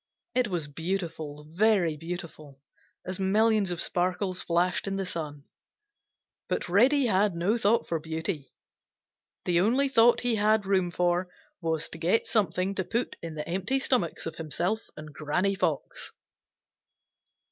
It was beautiful, very beautiful, as millions of sparkles flashed in the sun. But Reddy had no thought for beauty; the only thought he had room for was to get something to put in the empty stomachs of himself and Granny Fox.